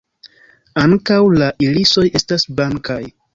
Ankaŭ la irisoj estas blankaj.